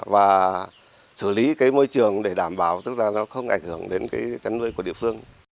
và xử lý cái môi trường để đảm bảo tức là nó không ảnh hưởng đến cái chăn nuôi của địa phương